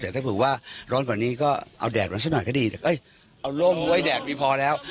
แต่ถ้าเผื่อว่าร้อนกว่านี้ก็เอาแดดมาซะหน่อยก็ดีแต่เอ้ยเอาร่มไว้แดดดีพอแล้ว